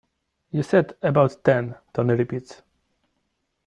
"You said about ten," Tony repeats.